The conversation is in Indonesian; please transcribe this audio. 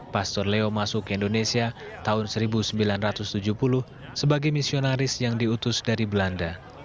pastor leo masuk ke indonesia tahun seribu sembilan ratus tujuh puluh sebagai misionaris yang diutus dari belanda